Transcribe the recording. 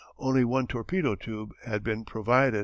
Only one torpedo tube had been provided.